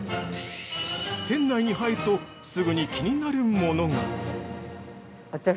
店内に入るとすぐに気になるものが◆